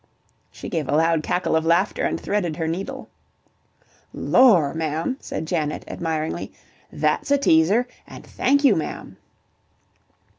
She gave a loud cackle of laughter and threaded her needle. "Lor, ma'am!" said Janet, admiringly. "That's a teaser! And thank you, ma'am!"